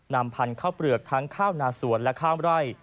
นำพันธุ์ข้าวเปลือกทั้งข้าวนาสวนและข้ามไร่